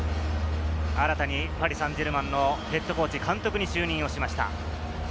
新たにパリ・サンジェルマンのヘッドコーチ、監督に就任をしました。